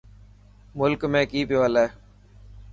ملڪ ۾ ڪئي پيو هلي